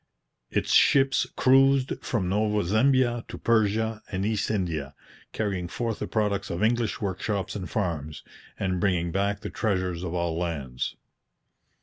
Its ships cruised from Nova Zembia to Persia and East India, carrying forth the products of English workshops and farms, and bringing back the treasures of all lands.